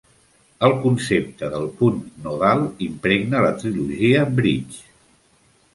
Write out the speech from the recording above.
El concepte del punt nodal impregna la trilogia Bridge.